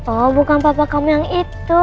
oh bukan papa kamu yang itu